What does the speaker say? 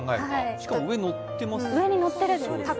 しかも上に乗ってます？